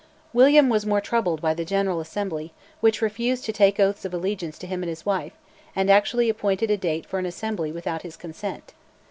William was more troubled by the General Assembly, which refused to take oaths of allegiance to him and his wife, and actually appointed a date for an Assembly without his consent.